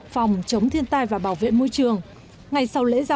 phòng chống thiên tai và bảo vệ môi trường